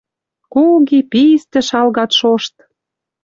Куги, пистӹ шалгат шошт.